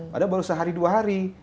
padahal baru sehari dua hari